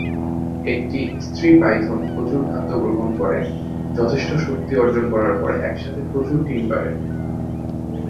একটি স্ত্রী পাইথন প্রচুর খাদ্যগ্রহণ করে যথেষ্ট শক্তি অর্জন করার পর একসাথে প্রচুর ডিম পারে।